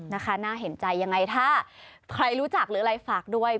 น่าเห็นใจยังไงถ้าใครรู้จักหรืออะไรฝากด้วย